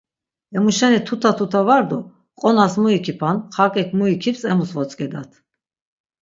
Emu şeni tuta tuta var do qonas mu ikipan, xarkik mu ikips, emus votzk̆edat.